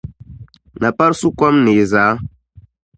Napari su kom neei zaa